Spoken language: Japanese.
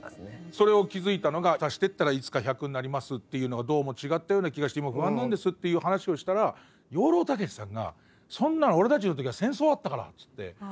それを気付いたのが足してったらいつか１００になりますっていうのがどうも違ったような気がして今不安なんですっていう話をしたら養老孟司さんが「そんなん俺たちの時は戦争だったから」っつって。